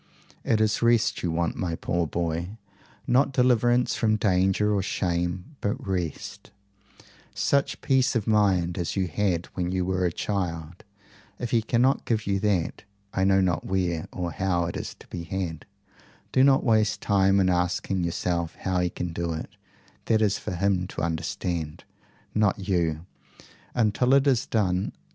It is rest you want, my poor boy not deliverance from danger or shame, but rest such peace of mind as you had when you were a child. If he cannot give you that, I know not where or how it is to be had. Do not waste time in asking yourself how he can do it: that is for him to understand, not you until it is done.